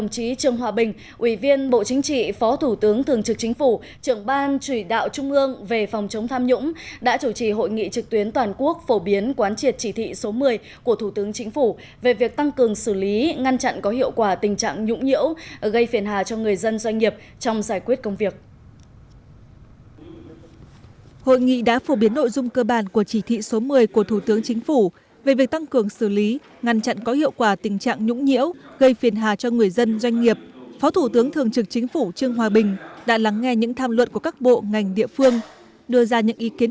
chính trị phó thủ tướng thường trực chính phủ trưởng ban chủy đạo trung ương về phòng chống tham nhũng đã chủ trì hội nghị trực tuyến toàn quốc phổ biến quán triệt chỉ thị số một mươi của thủ tướng chính phủ về việc tăng cường xử lý ngăn chặn có hiệu quả tình trạng nhũng nhiễu gây phiền hà cho người dân doanh nghiệp trong giải quyết công việc